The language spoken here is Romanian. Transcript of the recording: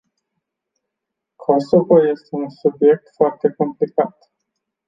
Kosovo este un subiect foarte complicat.